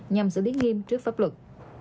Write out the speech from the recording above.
nhằm giữ biến nghiêm trước pháp luật